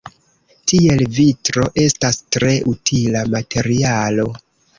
Tiel, vitro estas tre utila materialo.